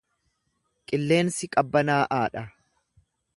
Qilleensi qabbanaa’aa dha.